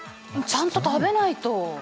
ちゃんと食べないと！